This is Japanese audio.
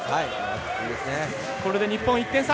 これで日本１点差。